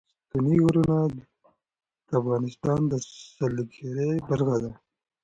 ستوني غرونه د افغانستان د سیلګرۍ برخه ده.